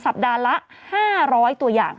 สัปดาห์ละ๕๐๐ตัวอย่าง